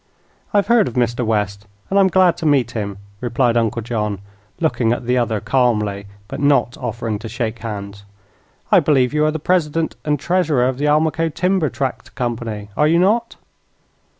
"I've heard of Mr. West, and I'm glad to meet him," replied Uncle John, looking at the other calmly, but not offering to shake hands. "I believe you are the president and treasurer of the Almaquo Timber Tract Company, are you not?"